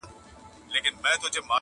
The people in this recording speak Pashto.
هغه چي ګرځی سوداګر دی په ونه غولیږی!!